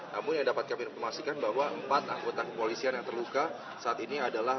namun yang dapat kami informasikan bahwa empat anggota kepolisian yang terluka saat ini adalah